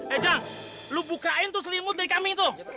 eh jang lu bukain tuh selimut dari kambing itu